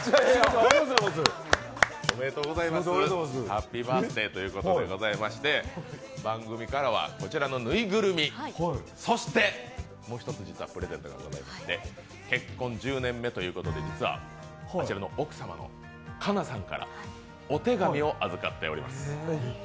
ハッピーバースデーということでございまして番組からはこちらのぬいぐるみそして、もう一つ実はプレゼントがありまして、結婚１０年目ということで実はあちらの奥様の可奈さんからお手紙を預かっています。